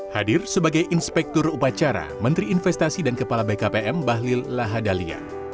hadir sebagai inspektur upacara menteri investasi dan kepala bkpm bahlil lahadalia